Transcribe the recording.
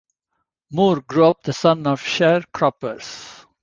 Moore grew up the son of sharecroppers.